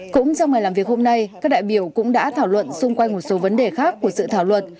cũng trong ngày làm việc hôm nay các đại biểu cũng đã thảo luận xung quanh một số vấn đề khác của sự thảo luật